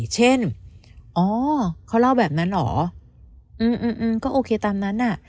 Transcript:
เช่นอ๋อเขาเล่าแบบนั้นหรออืมอืมอืมก็โอเคตามนั้นน่ะ